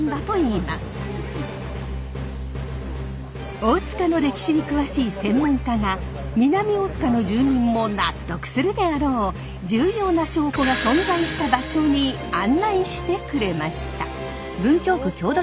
大塚の歴史に詳しい専門家が南大塚の住民も納得するであろう重要な証拠が存在した場所に案内してくれました。